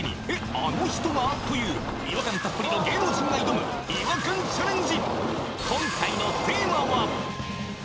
あの人が！？という違和感たっぷりの芸能人が挑む違和感チャレンジ